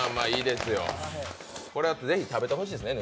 これはぜひ食べてほしいですね。